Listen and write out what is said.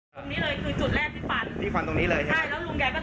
ตรงนี้เลยคือจุดแรกที่ฟันที่ฟันตรงนี้เลยใช่แล้วลุงแกก็